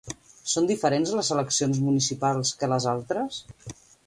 Són diferents les eleccions municipals que les altres?